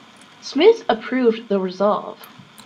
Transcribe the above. Smith approved the resolve.